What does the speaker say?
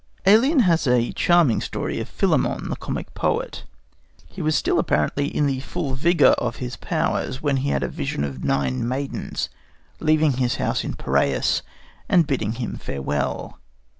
Ælian has a charming story of Philemon, the comic poet. He was still, apparently, in the full vigour of his powers when he had a vision of nine maidens leaving his house in the Piræus and bidding him farewell.